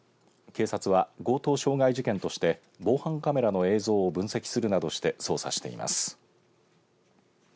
警察は強盗傷害事件として防犯カメラの映像を分析するなどして捜査しています。